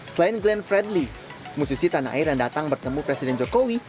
selain glenn fredly musisi tanah air yang datang bertemu presiden jokowi